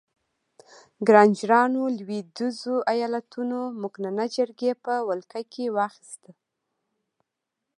ګرانجرانو لوېدیځو ایالتونو مقننه جرګې په ولکه کې واخیستې.